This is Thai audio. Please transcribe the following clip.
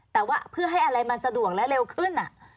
แต่ว่าเพื่อให้อะไรมันสะดวกและเร็วขึ้น